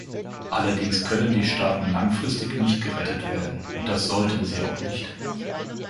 Allerdings können die Staaten langfristig nicht gerettet werden, und das sollten sie auch nicht.